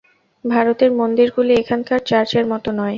ভারতের মন্দিরগুলি এখান-কার চার্চের মত নয়।